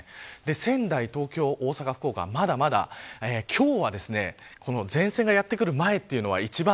仙台、東京、大阪、福岡は今日は前線がやってくる前というのは一番